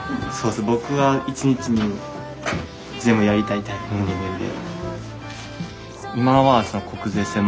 僕は一日に全部やりたいタイプの人間で。